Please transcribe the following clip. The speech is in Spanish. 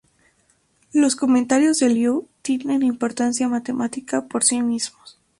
Los comentarios de Liu tienen importancia matemática por sí mismos.